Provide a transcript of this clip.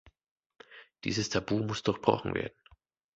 Dieses Tabu muss durchbrochen werden.